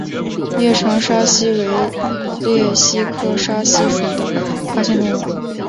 叶城沙蜥为鬣蜥科沙蜥属的爬行动物。